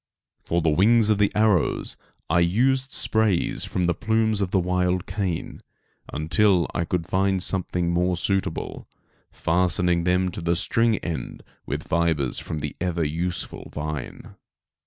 For the wings of the arrows I used sprays from the plumes of the wild cane, until I could find something more suitable, fastening them to the string end with fibres from the ever useful vine.